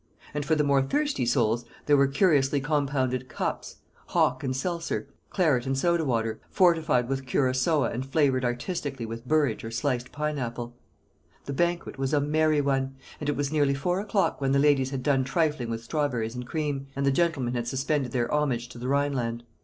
And for the more thirsty souls there were curiously compounded "cups:" hock and seltzer; claret and soda water, fortified with curaçoa and flavoured artistically with burrage or sliced pine apple. The banquet was a merry one; and it was nearly four o'clock when the ladies had done trifling with strawberries and cream, and the gentlemen had suspended their homage to the Rhineland.